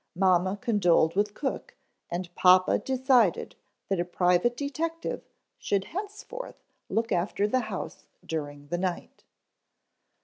Mamma condoled with cook and papa decided that a private detective should henceforth look after the house during the night.